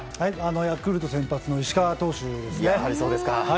ヤクルト先発の石川投手ですね。